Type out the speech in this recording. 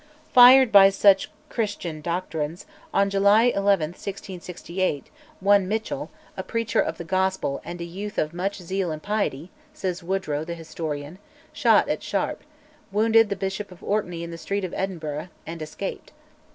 Fired by such Christian doctrines, on July 11, 1668, one Mitchell "a preacher of the Gospel, and a youth of much zeal and piety," says Wodrow the historian shot at Sharp, wounded the Bishop of Orkney in the street of Edinburgh, and escaped.